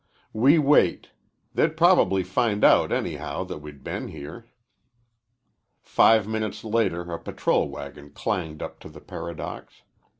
"We wait. They'd probably find out, anyhow, that we'd been here." Five minutes later a patrol wagon clanged up to the Paradox.